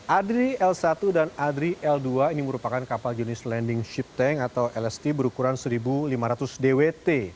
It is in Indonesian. adri l satu dan adri l dua ini merupakan kapal jenis landing ship tank atau lst berukuran satu lima ratus dwt